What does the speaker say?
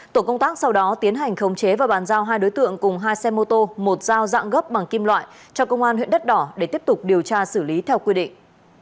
tổ công tác sau đó tiến hành khống chế và bàn giao hai đối tượng cùng hai xe mô tô một dao dạng gốc bằng kim loại cho công an huyện đất đỏ để tiếp tục điều tra xử lý theo quy định